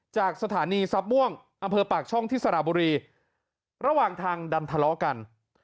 จากสถานีทรัพย์ม่วงอำเภอปากช่องที่สระบุรีระหว่างทางดันทะเลาะกัน